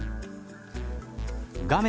画面